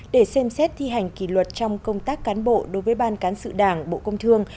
để xem xét thi hành kỷ luật trong công tác cán bộ đối với ban cán sự đảng bộ công thương